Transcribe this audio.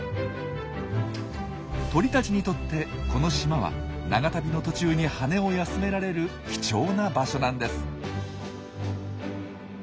鳥たちにとってこの島は長旅の途中に羽を休められる貴重な場所なんです。